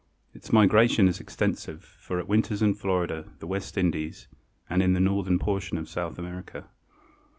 Its migration is extensive for it winters in Florida, the West Indies and in the northern portion of South America.